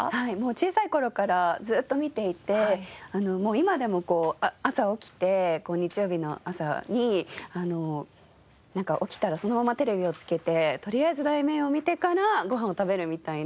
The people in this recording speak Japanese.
小さい頃からずっと見ていて今でも朝起きて日曜日の朝に起きたらそのままテレビをつけてとりあえず『題名』を見てからご飯を食べるみたいな。